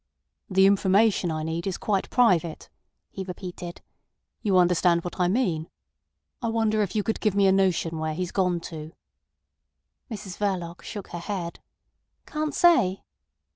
"The information I need is quite private," he repeated. "You understand what I mean? I wonder if you could give me a notion where he's gone to?" Mrs Verloc shook her head. "Can't say."